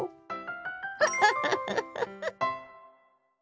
フフフフフ。